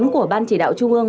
của ban chỉ đạo trung ương